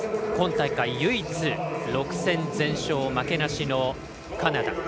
今大会、唯一６戦全勝負けなしのカナダ。